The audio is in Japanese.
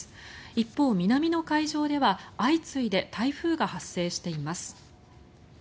一方、南の海上では相次いで台風が発生しています。